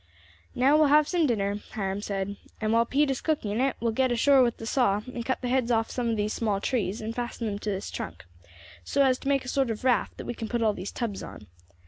"Now we will have some dinner," Hiram said; "and while Pete is cooking it we will get ashore with the saw and cut the heads off some of these small trees, and fasten them to this trunk, so as to make a sort of raft that we can put all these tubs on.